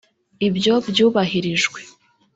Ibyo byubahirijwe